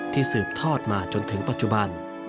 สืบทอดมาจนถึงปัจจุบัน